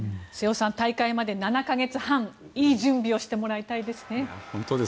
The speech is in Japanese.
瀬尾さん、大会まで７か月半、いい準備をしてもらいたいですね。